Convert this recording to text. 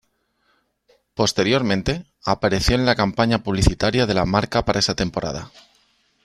Posteriormente, apareció en la campaña publicitaria de la marca para esa temporada.